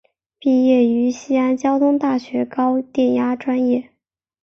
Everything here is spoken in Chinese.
毕业于西安交通大学高电压专业。